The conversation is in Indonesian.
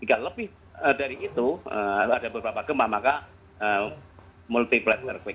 jika lebih dari itu ada beberapa gempa maka multiplet terbaik